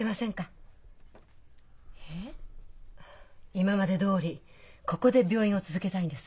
今までどおりここで病院を続けたいんです。